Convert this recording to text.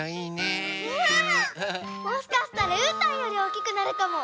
もしかしたらうーたんよりおおきくなるかも！